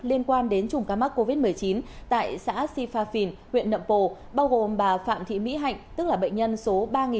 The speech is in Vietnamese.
liên quan đến chủng ca mắc covid một mươi chín tại xã sipha phin huyện nậm pồ bao gồm bà phạm thị mỹ hạnh tức là bệnh nhân số ba bảy trăm năm mươi tám